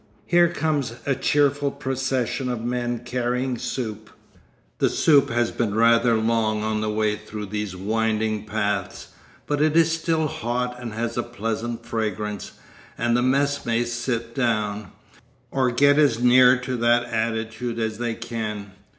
Here comes a cheerful procession of men carrying soup. The soup has been rather long on the way through these winding paths, but it is still hot and has a pleasant fragrance, and the messmates sit down, or get as near to that attitude as they can.